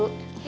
bapak dan ibu